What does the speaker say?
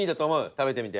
食べてみて。